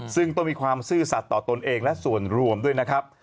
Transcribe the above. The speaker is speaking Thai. ซึ่งต้องมีความซื่อสัตว์ต่อตนเองและส่วนรวมด้วยนะครับ